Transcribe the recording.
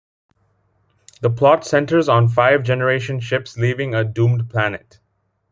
The plot centers on five generation ships leaving a doomed planet.